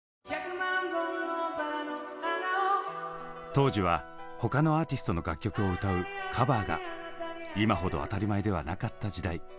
当時は他のアーティストの楽曲を歌うカバーが今ほど当たり前ではなかった時代。